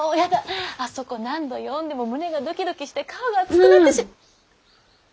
あそこ何度読んでも胸がドキドキして顔が熱くなって。